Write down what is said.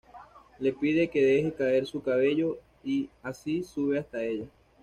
Le pide que deje caer su cabello y, así, sube hasta ella.